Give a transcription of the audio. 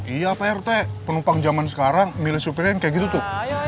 iya pak rt penumpang zaman sekarang milih supirin kayak gitu tuh